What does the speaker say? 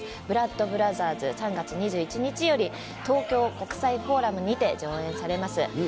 ブラッド・ブラザーズ、３月２１日より、東京国際フォーラムにて上演されます。